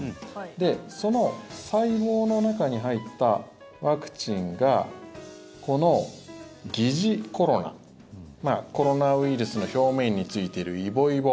その細胞の中に入ったワクチンがこの疑似コロナコロナウイルスの表面についているイボイボ。